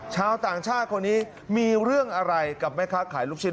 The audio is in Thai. ชาวต่างชาติคนนี้มีเรื่องอะไรกับแม่ค้าขายลูกชิ้น